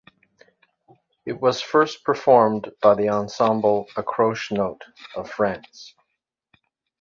It was first performed by the ensemble Accroche-Note of France.